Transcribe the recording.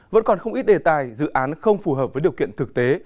vẫn còn không ít đề tài dự án không phù hợp với điều kiện thực tế